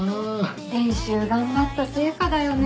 練習頑張った成果だよね。